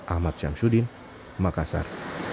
ahmad syamsuddin makassar